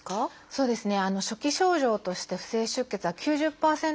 そうですね。